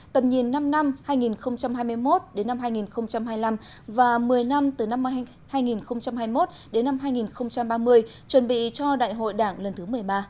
tầm nhìn năm năm hai nghìn hai mươi một hai nghìn hai mươi năm và một mươi năm từ hai nghìn hai mươi một hai nghìn ba mươi chuẩn bị cho đại hội đảng lần thứ một mươi ba